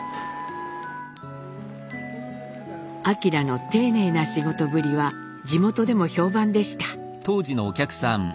晃の丁寧な仕事ぶりは地元でも評判でした。